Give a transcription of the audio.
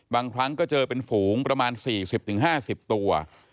บางครั้งก็เจอเป็นฝูงประมาณสี่สิบถึงห้าสิบตัว